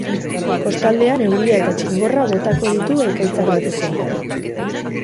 Kostaldean euria eta txingorra botako ditu ekaitzak datozenean.